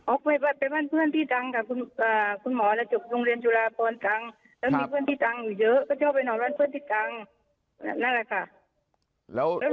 ไปบ้านเพื่อนที่ดังกับคุณหมอแล้วจบโรงเรียนจุฬาพรจังแล้วมีเพื่อนที่ดังอยู่เยอะก็ชอบไปนอนบ้านเพื่อนที่ตังนั่นแหละค่ะ